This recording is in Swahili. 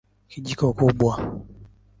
Kijiko kubwa.